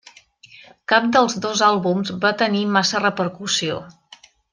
Cap dels dos àlbums va tenir massa repercussió.